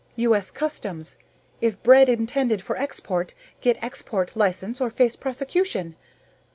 U. S. Customs: If bread intended for export, get export license or face prosecution.